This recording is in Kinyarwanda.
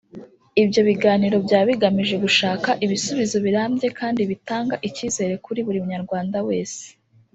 Ibyo biganiro byaba bigamije gushaka ibisubizo birambye kandi bitanga ikizere kuri buri munyarwanda wese